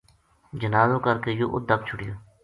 جنازو کر کے یوہ اُت دَب چھُڑیو